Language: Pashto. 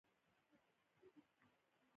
همدارنګه وايي کوم کارونه باید پریږدو.